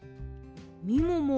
みもも